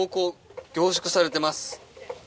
凝縮されてます。